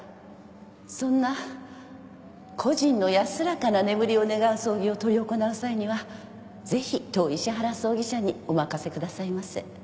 そんな故人の安らかな眠りを願う葬儀を執り行う際にはぜひ当石原葬儀社にお任せくださいませ。